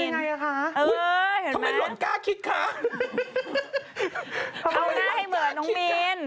โอ้ยทำยังไงอะคะทำไมหล่นกล้าคิดคะเอาหน้าให้เหมือนน้องมีน